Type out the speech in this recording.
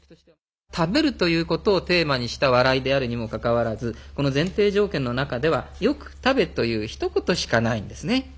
食べるということをテーマにした笑いであるにもかかわらずこの前提条件の中では「よく食べ」という一言しかないんですね。